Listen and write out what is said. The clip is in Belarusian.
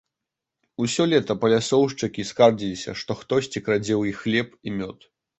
Усё лета палясоўшчыкі скардзіліся, што хтосьці крадзе ў іх хлеб і мёд.